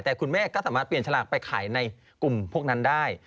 แต่คุณแม่ก็สามารถเปลี่ยนฉลากไปขายในกลุ่มพวกนั้นได้